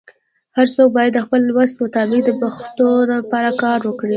هرڅوک باید د خپل وس مطابق د پښتو لپاره کار وکړي.